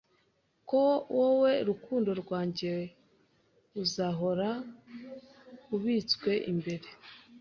Ko wowe rukundo rwanjye, uzahora ubitswe imbere.